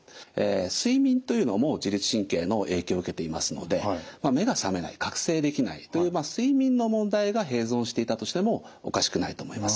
睡眠というのも自律神経の影響を受けていますので目が覚めない覚醒できないという睡眠の問題が併存していたとしてもおかしくないと思います。